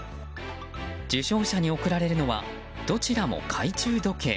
受賞者に贈られるのはどちらも懐中時計。